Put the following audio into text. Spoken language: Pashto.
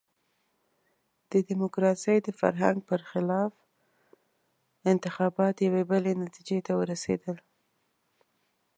د ډیموکراسۍ د فرهنګ برخلاف انتخابات یوې بلې نتیجې ته ورسېدل.